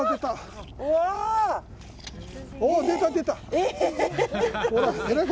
出た出た！